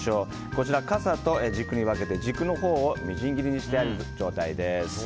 こちら、かさと軸に分けて軸のほうをみじん切りにした状態です。